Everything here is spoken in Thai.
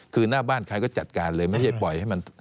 คือหน้าบ้านใครก็จัดการเลยไม่ใช่ปล่อยให้มัน